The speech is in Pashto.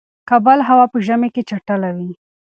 کابل هوا په ژمی کی چټله وی